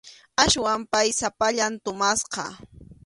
Aswan pay sapallan tumasqa.